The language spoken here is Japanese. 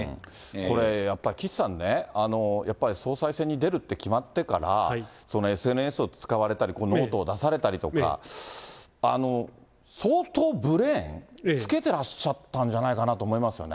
これ、やっぱり岸さんね、やっぱり総裁選に出るって決まってから、ＳＮＳを使われたり、このノートを出されたりとか、相当ブレーン、付けてらっしゃったんじゃないかなと思いますね。